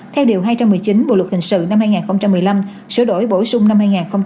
theo điều hai trăm một mươi chín bộ luật hình sự năm hai nghìn một mươi năm sửa đổi bổ sung năm hai nghìn một mươi bảy